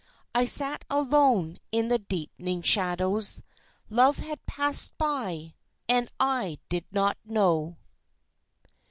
I sat alone in the deepening shadows Love had passed by and I did not know.